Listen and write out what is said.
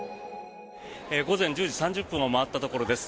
午前１０時３０分を回ったところです。